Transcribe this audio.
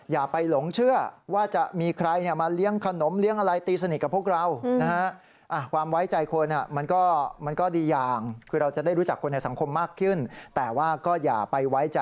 อย่าไปหลงเชื่อว่าจะมีใครมาเลี้ยงขนมเลี้ยงอะไรตีสนิทกับพวกเรานะฮะ